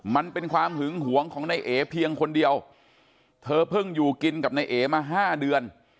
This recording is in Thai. มันเป็นความหึงหวงของนายเอเพียงคนเดียวเธอเพิ่งอยู่กินกับนายเอ๋มา๕เดือน